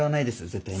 絶対に。